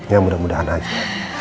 ya mudah mudahan aja